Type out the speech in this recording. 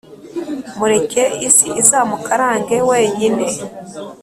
Mureke isi izamukarange wenyine